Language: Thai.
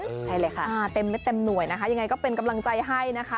ใช่เลยค่ะอ่าเต็มเม็ดเต็มหน่วยนะคะยังไงก็เป็นกำลังใจให้นะคะ